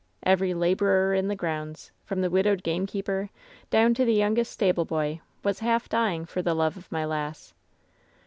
Every laborer in the grounds, from the widowed gamekeeper down to the youngest stable boy, was half dying for the love of my lass.